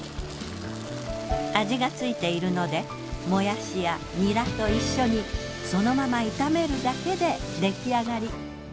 味がついているのでもやしやニラと一緒にそのまま炒めるだけでできあがり。